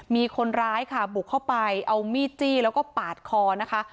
มีคนร้ายค่ะบุกเข้าไปเอามีดจี้แล้วก็ปาดคอนะคะ